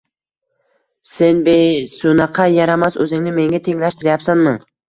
Sen besoʻnaqay yaramas, oʻzingni menga tenglashtiryapsanmi!